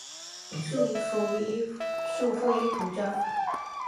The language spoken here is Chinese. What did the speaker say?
束缚衣服装。